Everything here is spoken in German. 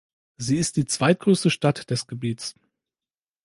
Sie ist die zweitgrößte Stadt des Gebiets.